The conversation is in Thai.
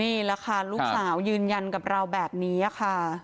นี่แหละค่ะลูกสาวยืนยันกับเราแบบนี้ค่ะ